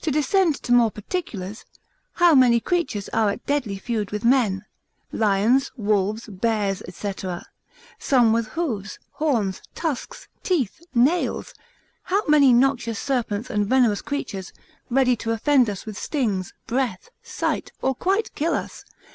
To descend to more particulars, how many creatures are at deadly feud with men? Lions, wolves, bears, &c. Some with hoofs, horns, tusks, teeth, nails: How many noxious serpents and venomous creatures, ready to offend us with stings, breath, sight, or quite kill us?